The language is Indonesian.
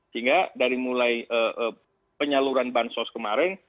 sehingga dari mulai penyaluran bansos kemarin